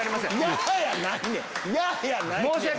「ヤ！」やないねん。